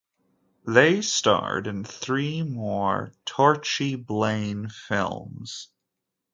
They starred in three more Torchy Blane films.